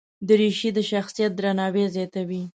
دریشي د شخصیت درناوی زیاتوي.